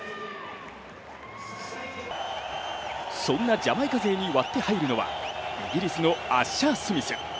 そんなジャマイカ勢に割って入るのはイギリスのアッシャー・スミス。